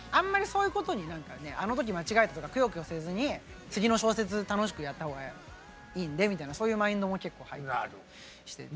そういうことにあの時間違えたとかくよくよせずに次の小節楽しくやった方がいいんでみたいなそういうマインドも結構入ったりしてて。